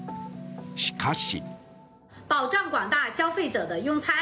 しかし。